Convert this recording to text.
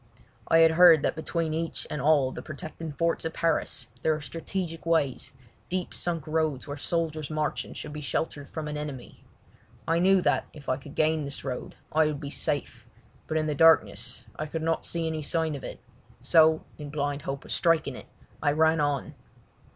I had heard that between each and all of the protecting forts of Paris there are strategic ways, deep sunk roads where soldiers marching should be sheltered from an enemy. I knew that if I could gain this road I would be safe, but in the darkness I could not see any sign of it, so, in blind hope of striking it, I ran on.